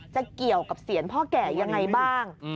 จะเกี่ยวกับเสียรพ่อแก่ยังไงบ้าง